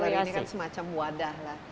jadi galeri ini kan semacam wadah